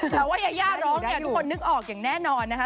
แต่ว่ายาย่าร้องเนี่ยทุกคนนึกออกอย่างแน่นอนนะคะ